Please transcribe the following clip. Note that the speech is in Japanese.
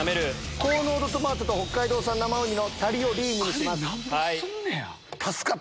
高糖度トマトと北海道産生うにのタリオリーニにします。